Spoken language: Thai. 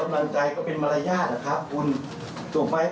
ไม่ใช่ครับอันนั้นไม่ได้แถลงข่าว